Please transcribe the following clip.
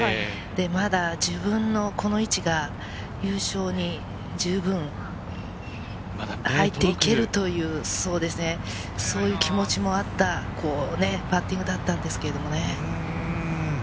まだ自分のこの位置が優勝にじゅうぶん、入っていけるという、そういう気持ちもあったパッティングだったんですけれど。